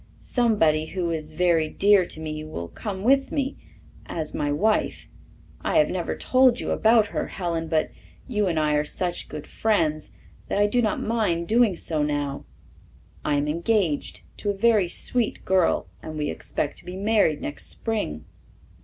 Somebody who is very dear to me will come with me as my wife. I have never told you about her, Helen, but you and I are such good friends that I do not mind doing so now. I am engaged to a very sweet girl, and we expect to be married next spring."